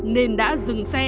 nên đã dừng xe